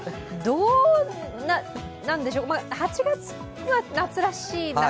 どうなんでしょう、８月は夏らしい夏？